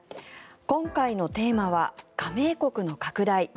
今回のテーマは加盟国の拡大。